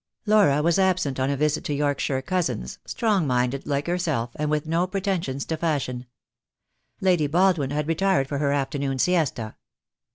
Laura was absent on a visit to Yorkshire cousins, strong minded like herself, and with no pretensions to fashion. Lady Baldwin had retired for her afternoon siesta.